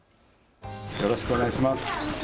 よろしくお願いします。